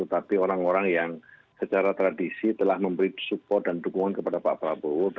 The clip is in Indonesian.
tapi orang orang yang secara tradisi telah memberi support dan dukungan kepada pak prabowo